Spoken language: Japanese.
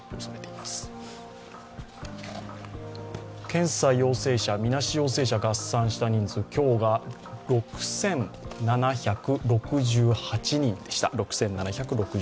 検査陽性者とみなし陽性者合算した人数、今日が６７６８人でした。